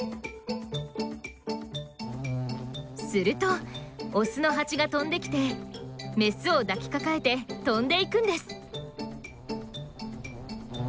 するとオスのハチが飛んで来てメスを抱きかかえて飛んで行くんです。